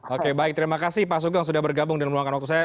oke baik terima kasih pak sugeng sudah bergabung dan meluangkan waktu saya